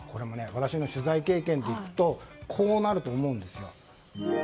私の取材経験でいくとこうなると思うんですよ。